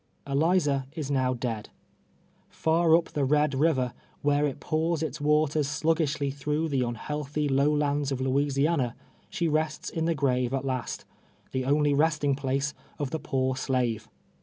Eliza is now dead. Yiw up the Bed Biver, where it pours its waters sluggishly through ihe unhealthy low lands of Louisiana, she rests in the grave at last —■ the only resting place of the poor sla^'e